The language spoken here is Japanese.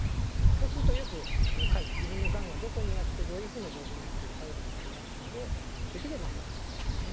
そうすると自分のがんがどこにあってどういうふうな状況になってるかよく分かりますのでできればもらったほうがいいですね。